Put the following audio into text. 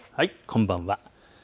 こんばんは。